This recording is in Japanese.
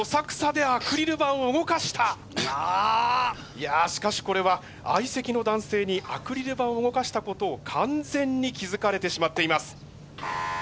いやしかしこれは相席の男性にアクリル板を動かしたことを完全に気付かれてしまっています。